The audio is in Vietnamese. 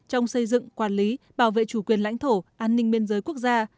trong xây dựng quản lý bảo vệ chủ quyền lãnh thổ an ninh biên giới quốc gia